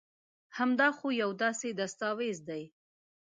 هم دا خو يو داسي دستاويز دي